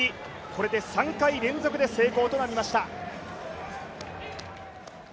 これで３回連続成功となりました。